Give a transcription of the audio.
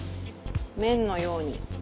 麺のように！